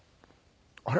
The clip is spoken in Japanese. あれ？